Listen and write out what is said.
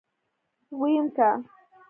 ويم که.